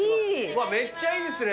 めっちゃいいですね。